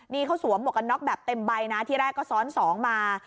นี่เขาสวมหมวกกันน็อกแบบเต็มใบนะที่แรกก็ซ้อนสองมา